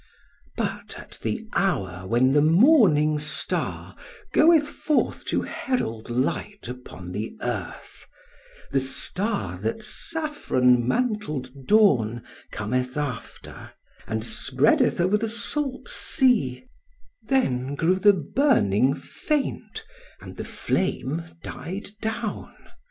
"But at the hour when the Morning Star goeth forth to herald light upon the earth, the star that saffron mantled Dawn cometh after, and spreadeth over the salt sea, then grew the burning faint, and the flame died down.